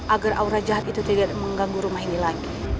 agar aura jahat itu tidak mengganggu rumah ini lagi